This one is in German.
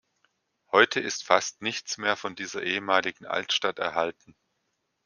Heute ist fast nichts mehr von dieser ehemaligen Altstadt erhalten.